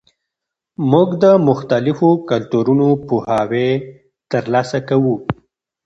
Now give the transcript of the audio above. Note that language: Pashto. موږ د مختلفو کلتورونو پوهاوی ترلاسه کوو.